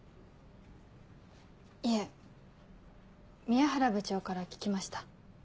いえ宮原部長から聞きました。